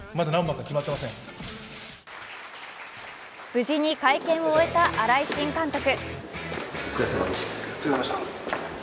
無事に会見を終えた新井新監督。